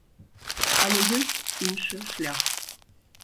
Але ёсць іншы шлях.